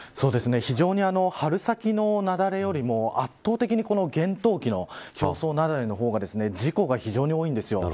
非常に春先の雪崩よりも圧倒的に厳冬期の表層雪崩の方が事故が非常に多いんです。